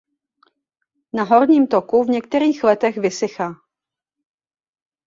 Na horním toku v některých letech vysychá.